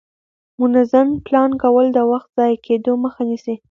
منظم پلان کول د وخت ضایع کېدو مخه نیسي